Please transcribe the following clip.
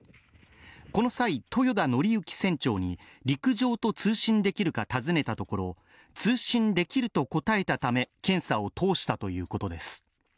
この際、豊田徳幸船長に陸上と通信できるか尋ねたところ通信できると答えたため検査を通したということです。